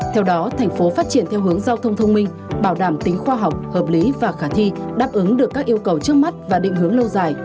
theo đó thành phố phát triển theo hướng giao thông thông minh bảo đảm tính khoa học hợp lý và khả thi đáp ứng được các yêu cầu trước mắt và định hướng lâu dài